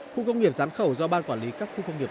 khu công nghiệp gián khẩu do ban quản lý các khu công nghiệp